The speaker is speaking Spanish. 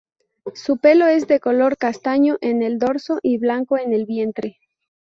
Su pelo es de color castaño en el dorso y blanco en el vientre.